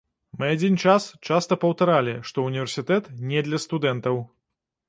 Мы адзін час часта паўтаралі, што ўніверсітэт не для студэнтаў.